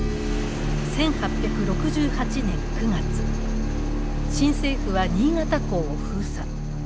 １８６８年９月新政府は新潟港を封鎖。